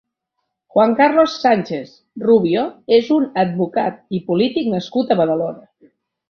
Juan Carlos Sánchez Rubio és un advocat i polític nascut a Badalona.